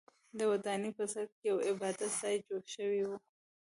د ودانۍ په سر کې یو عبادت ځای جوړ شوی و.